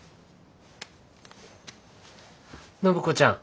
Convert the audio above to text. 暢子ちゃん